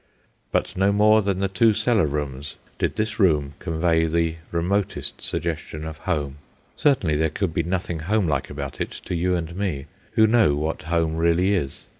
But no more than the two cellar rooms did this room convey the remotest suggestion of home. Certainly there could be nothing home like about it to you and me, who know what home really is.